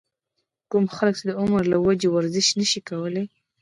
کوم خلک چې د عمر له وجې ورزش نشي کولے